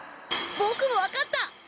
ボクも分かった！